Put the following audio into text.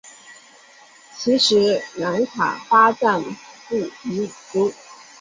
其时喃迦巴藏卜已卒。